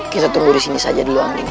kita tunggu di sini saja dulu omnibu